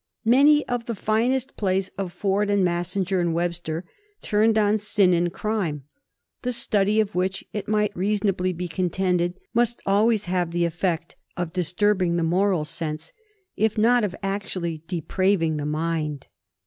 Many of the finest plays of Ford and Mas singer and Webster turn on sin and crime, the study of which it might reasonably be contended must always have the effect of distur]bing the moral sense, if not of actually depraving the mind.